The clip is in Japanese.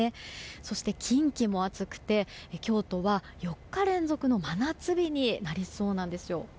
そして近畿も暑くて、京都は４日連続の真夏日になりそうなんですよ。